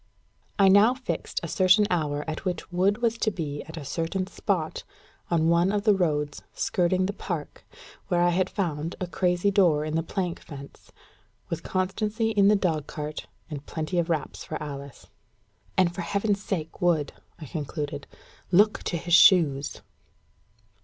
I now fixed a certain hour at which Wood was to be at a certain spot on one of the roads skirting the park, where I had found a crazy door in the plank fence with Constancy in the dogcart, and plenty of wraps for Alice. "And for Heaven's sake, Wood," I concluded, "look to his shoes."